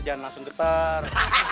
jangan langsung getar